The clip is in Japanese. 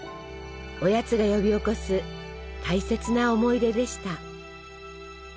おやつが呼び起こす大切な思い出でした。